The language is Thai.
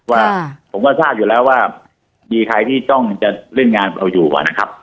ว่าผมก็ทราบอยู่แล้วว่ามีใครที่ต้องจะเล่นงานเราอยู่นะครับ